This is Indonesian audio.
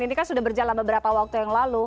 ini kan sudah berjalan beberapa waktu yang lalu